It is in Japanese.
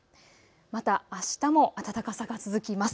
また、あしたも暖かさが続きます。